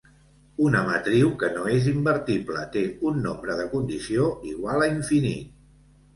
Una matriu que no és invertible té un nombre de condició igual a infinit.